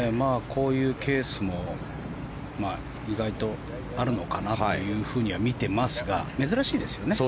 こういうケースも意外とあるのかなというふうには見てますが珍しいですね。